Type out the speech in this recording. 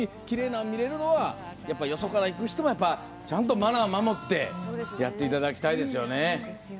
きれいな海を見れるのはやっぱ、よそから行く人がちゃんとマナーを守ってやっていただきたいですよね。